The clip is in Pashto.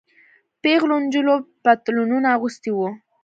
پيغلو نجونو پتلونونه اغوستي وو.